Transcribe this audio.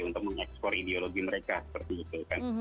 untuk mengeksplor ideologi mereka seperti itu